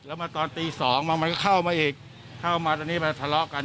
แล้วมาตอนตีสองมามันก็เข้ามาอีกเข้ามาตอนนี้มาทะเลาะกัน